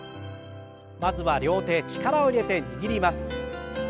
まずは両手力を入れて握ります。